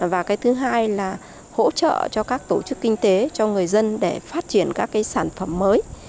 và cái thứ hai là hỗ trợ cho các tổ chức kinh tế cho người dân để phát triển các cái sản phẩm mới